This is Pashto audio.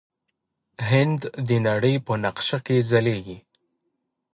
هند د نړۍ په نقشه کې ځلیږي.